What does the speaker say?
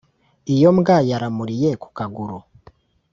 Iyombwa yaramuriye kukaguru